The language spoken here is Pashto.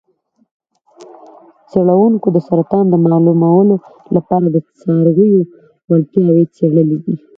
څیړونکو د سرطان د معلومولو لپاره د څارویو وړتیاوې څیړلې دي.